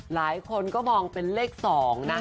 หลายคนก็มองเป็นเลข๒นะ